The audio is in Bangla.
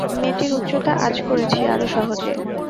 মেয়েটির উচ্চতা আঁচ করেছি আরও সহজে।